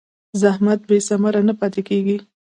زحمت بېثمره نه پاتې کېږي.